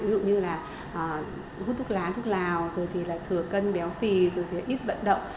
ví dụ như là hút thuốc lá thuốc lào rồi thì là thừa cân béo phì rồi thì ít vận động